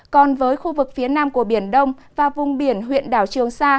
còn với khu vực phía nam của biển đông và vùng biển huyện đảo trường sa